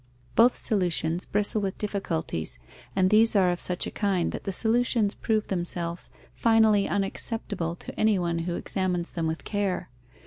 Both solutions bristle with difficulties, and these are of such a kind that the solutions prove themselves finally unacceptable to anyone who examines them with care.